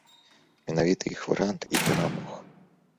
Менавіта іх варыянт і перамог.